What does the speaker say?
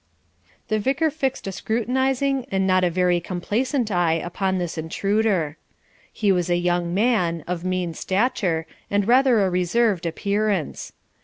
The Vicar fixed a scrutinizing and not a very complacent eye upon this intruder. He was a young man, of mean stature, and rather a reserved appearance.